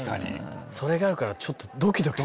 それがあるからちょっとドキドキするな。